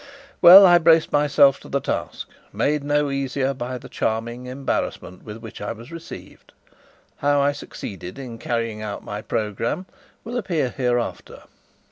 Well, I braced myself to the task, made no easier by the charming embarrassment with which I was received. How I succeeded in carrying out my programme will appear hereafter.